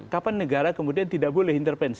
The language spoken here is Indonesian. kapan negara kemudian tidak boleh intervensi